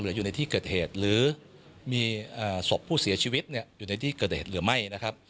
อยู่ในที่เกิดเหตุหรือมีศพผู้เสียชีวิตอยู่ในที่เกิดเหตุหรือไม่นะครับ